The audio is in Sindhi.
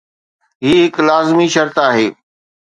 هي هڪ لازمي شرط آهي.